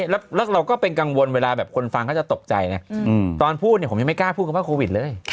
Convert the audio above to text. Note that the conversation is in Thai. แล้วเราก็เป็นกังวลเวลาแบบคนฟังก็จะตกใจนะตอนพูดผมยังไม่กล้าพูดคำว่าโควิดเลย